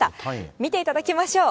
見ていただきましょう。